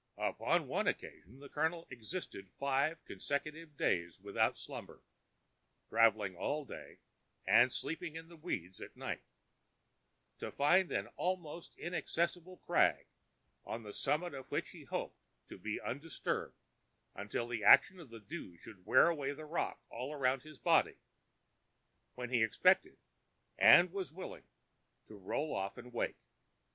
Upon one occasion the Colonel existed five consecutive days without slumber—travelling all day and sleeping in the weeds at night—to find an almost inaccessible crag, on the summit of which he hoped to be undisturbed until the action of the dew should wear away the rock all round his body, when he expected and was willing to roll off and wake.